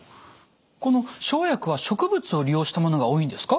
この生薬は植物を利用したものが多いんですか？